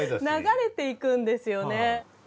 流れていくんですよね。